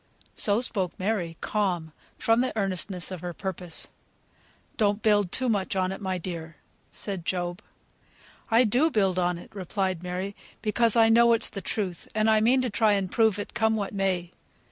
So spoke Mary, calm, from the earnestness of her purpose. "Don't build too much on it, my dear," said Job. "I do build on it," replied Mary, "because I know it's the truth, and I mean to try and prove it, come what may.